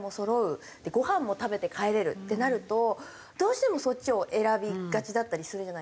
ごはんも食べて帰れるってなるとどうしてもそっちを選びがちだったりするじゃないですか。